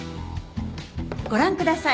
ご覧ください。